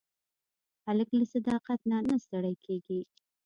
هلک له صداقت نه نه ستړی کېږي.